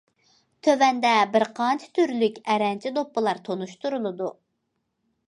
تۆۋەندە بىر قانچە تۈرلۈك ئەرەنچە دوپپىلار تونۇشتۇرۇلىدۇ.